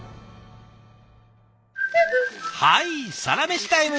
はいサラメシタイム！